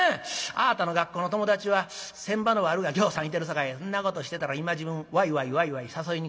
あぁたの学校の友達は船場の悪がぎょうさんいてるさかいそんなことしてたら今時分わいわいわいわい誘いに来る。